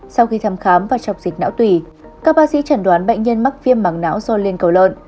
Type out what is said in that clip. sau khi thăm khám và chọc dịch não tùy các bác sĩ chẩn đoán bệnh nhân mắc viêm mảng não do liên cầu lợn